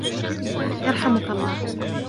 يرحمك الله!